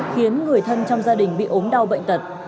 khiến người thân trong gia đình bị ốm đau bệnh tật